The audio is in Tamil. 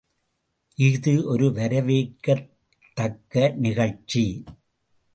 இஃது ஒரு வரவேற்கத்தக்க நிகழ்ச்சி.